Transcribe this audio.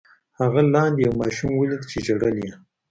هغه لاندې یو ماشوم ولید چې ژړل یې.